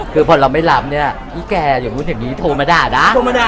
คือพอเราไม่รับเนี่ยอีแกอย่างนู้นอย่างนี้โทรมาด่านะ